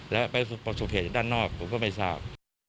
และไปสูบเหตุด้านนอกก็ไม่ทราบ